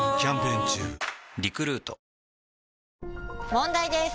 問題です！